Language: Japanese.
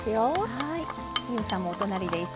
はい。